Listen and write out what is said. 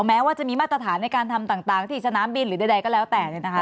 แม้ว่าจะมีมาตรฐานในการทำต่างที่สนามบินหรือใดก็แล้วแต่